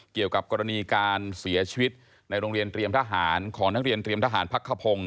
เกี่ยวกับกรณีการเสียชีวิตในโรงเรียนเตรียมทหารของนักเรียนเตรียมทหารพักขพงศ์